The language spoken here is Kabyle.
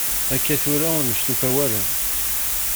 Akka tura ur nestufa ara.